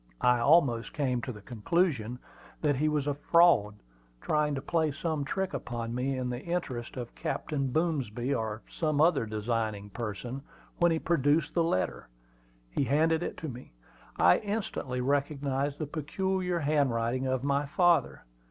I almost came to the conclusion that he was a "fraud," trying to play some trick upon me, in the interest of Captain Boomsby, or some other designing person, when he produced the letter. He handed it to me. I instantly recognized the peculiar handwriting of my father.